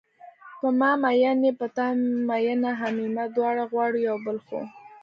په ما میین یې په تا مینه همیمه دواړه غواړو یو بل خو